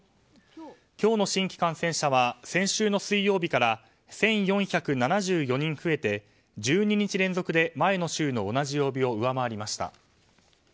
今日の新規感染者は先週の水曜日から１４７４人増えて１２日連続で前の週の同じ曜日を上回りました。